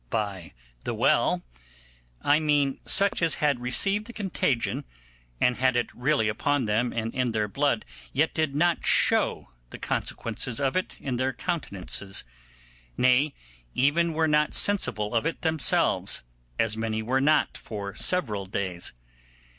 By the well I mean such as had received the contagion, and had it really upon them, and in their blood, yet did not show the consequences of it in their countenances: nay, even were not sensible of it themselves, as many were not for several days.